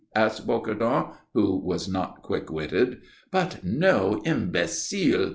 said Bocardon, who was not quick witted. "But, no, imbecile!"